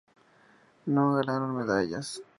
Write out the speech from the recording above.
No ganaron medallas.